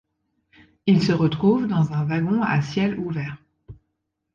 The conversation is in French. Il se retrouve dans un wagon à ciel ouvert.